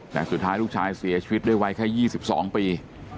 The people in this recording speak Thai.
แต่สุดท้ายลูกชายเสียชีวิตด้วยวัยแค่๒๒ปี